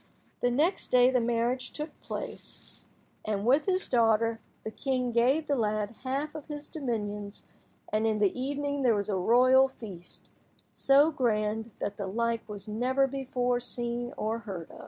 The next day the marriage took place, and, with his daughter, the king gave the lad half of his dominions, and in the evening there was a royal feast, so grand that the like was never before seen or hear